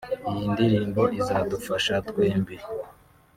iyi ndirimbo izadufasha twembi